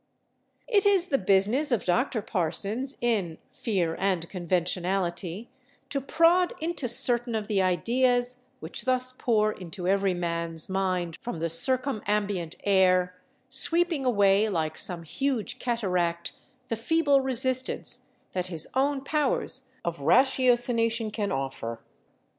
It is the business of Dr. Parsons, in "Fear and Conventionality," to prod into certain of the ideas which thus pour into every man's mind from the circumambient air, sweeping away, like some huge cataract, the feeble resistance that his own powers of ratiocination can offer.